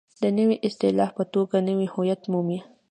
د نوې اصطلاح په توګه نوی هویت مومي.